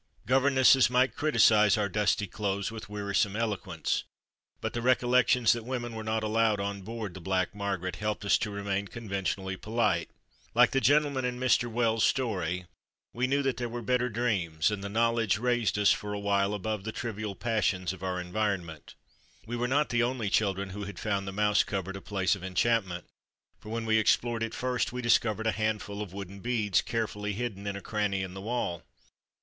Governesses might criticise our dusty clothes with wearisome eloquence, but the recollection that women were not allowed on board the Black Mar garet helped us to remain conventionally polite. Like the gentleman in Mr. Wells's story, we knew that there were better dreams, and the knowledge raised us for a while AN ENCHANTED PLACE 7 above the trivial passions of our environ ment. We were not the only children who had found the mouse cupboard a place of enchantment, for when we explored it first we discovered a handful of wooden beads carefully hidden in a cranny in the wall.